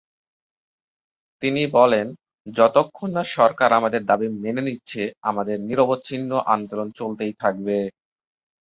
তিনি বলেন, "যতক্ষণ না সরকার আমাদের দাবী মেনে নিচ্ছে, আমাদের নিরবচ্ছিন্ন আন্দোলন চলতেই থাকবে।"